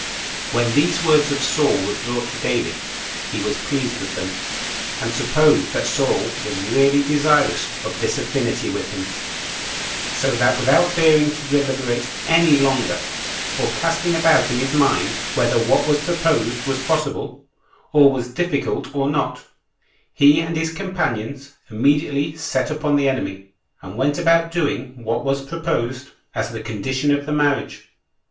3. When these words of Saul were brought to David, he was pleased with them, and supposed that Saul was really desirous of this affinity with him; so that without bearing to deliberate any longer, or casting about in his mind whether what was proposed was possible, or was difficult or not, he and his companions immediately set upon the enemy, and went about doing what was proposed as the condition of the marriage.